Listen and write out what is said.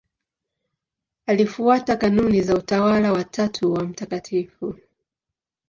Alifuata kanuni za Utawa wa Tatu wa Mt.